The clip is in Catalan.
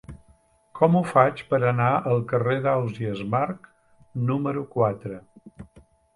Com ho faig per anar al carrer d'Ausiàs Marc número quatre?